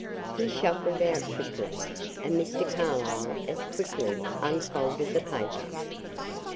He shuffled out quickly, and Mr. Carlyle as quickly unfolded the paper.